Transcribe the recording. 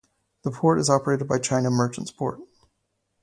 The port is operated by China Merchants Port.